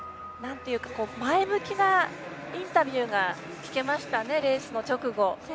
前向きなインタビューが聞けましたねレースの直後。